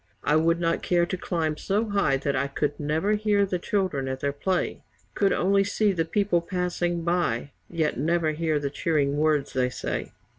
I would not care to climb so high that I Could never hear the children at their play, Could only see the people passing by, Yet never hear the cheering words they say.